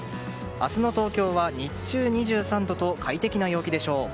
明日の東京は日中２３度と快適な陽気でしょう。